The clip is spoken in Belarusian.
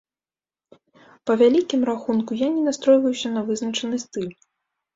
Па вялікім рахунку, я не настройваюся на вызначаны стыль.